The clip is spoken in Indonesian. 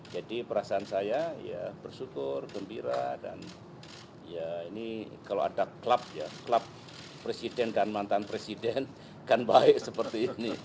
jadi perasaan saya ya bersyukur gembira dan ya ini kalau ada klub ya klub presiden kan mantan presiden kan baik seperti ini